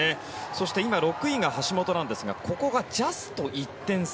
そして、６位が橋本なんですがここがジャスト１点差。